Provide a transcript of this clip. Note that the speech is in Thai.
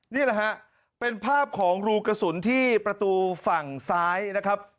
นี่แหละฮะเป็นภาพของรูกระสุนที่ประตูฝั่งซ้ายนะครับ